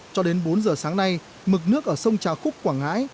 cho đến bốn giờ sáng nay mực nước ở sông trà khúc quảng ngãi